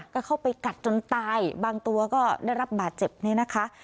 ก็เข้าไปกัดจนตายบางตัวก็ได้รับบาดเจ็บเนี่ยนะคะ